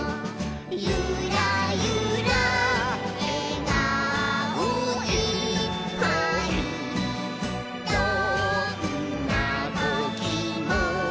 「ゆらゆらえがおいっぱいどんなときも」